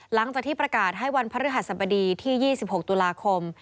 หลังจากที่ประกาศให้วันพระฤหัสบดีที่๒๖ตุลาคม